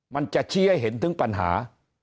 มันจะชี้ให้เห็นถึงปัญหา